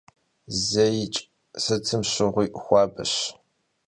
Zeiç', sıtım şığui xuabeş.